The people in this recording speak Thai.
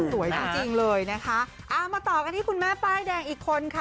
สวยจริงจริงเลยนะคะเอามาต่อกันที่คุณแม่ป้ายแดงอีกคนค่ะ